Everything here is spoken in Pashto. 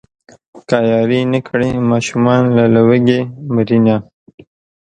که ياري نه کړي ماشومان له لوږې مرينه.